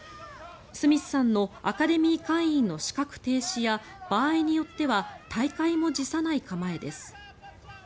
スミスさんのアカデミー会員の資格停止や場合によっては退会も辞さない構えです。